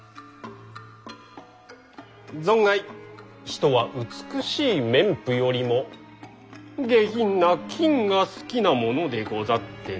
存外人は美しい綿布よりも下品な金が好きなものでござってなあ。